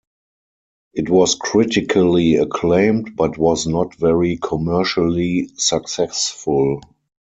It was critically acclaimed but was not very commercially successful.